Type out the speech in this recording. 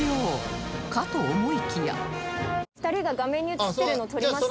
ここで２人が画面に映ってるの撮りますね。